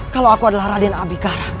kalau aku adalah raden abikara